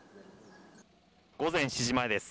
午前７時前です。